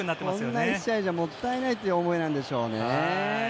こんな１試合じゃもったいないという思いなんでしょうね。